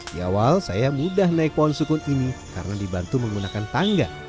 di awal saya mudah naik pohon sukun ini karena dibantu menggunakan tangga